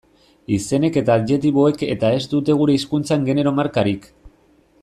Izenek eta adjektiboek eta ez dute gure hizkuntzan genero markarik.